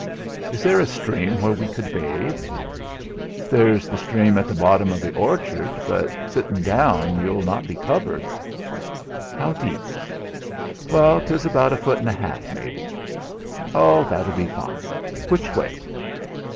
"Is there a stream where we could bathe?" "There's the strame at the bottom of the orchard, but sittin' down you'll not be covered!" "How deep?" "Well, 'tis about a foot and a half, maybe." "Oh! That'll do fine. Which way?"